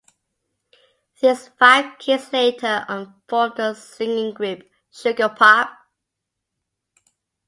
These five kids later on formed the singing group Sugarpop.